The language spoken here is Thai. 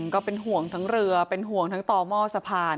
ก็เป็นห่วงทั้งเรือเป็นห่วงทั้งต่อหม้อสะพาน